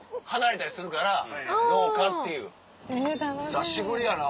久しぶりやな。